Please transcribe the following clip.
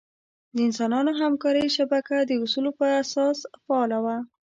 د انسانانو همکارۍ شبکه د اصولو پر اساس فعاله وه.